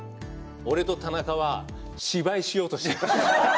俺と田中は芝居しようとしています。